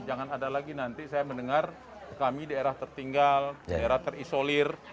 jangan ada lagi nanti saya mendengar kami daerah tertinggal daerah terisolir